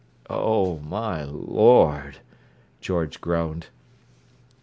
"Oh my Lord!" George groaned.